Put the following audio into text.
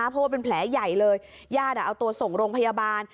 เพราะว่าเป็นแผลใหญ่เลยญาติเอาตัวส่งโรงพยาบาล